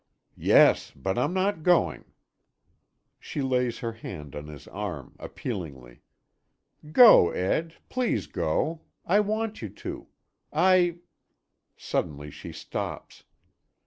"Yes, but I'm not going." She lays her hand on his arm appealingly: "Go, Ed. Please go. I want you to. I " Suddenly she stops.